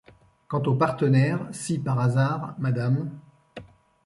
Quant aux partenaires, si, par hasard, madame…